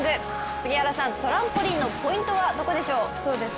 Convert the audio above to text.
杉原さん、トランポリンのポイントはどこでしょう？